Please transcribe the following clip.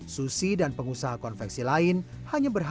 susi dan pengusaha konveksi lain hanya berharap